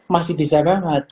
masih bisa banget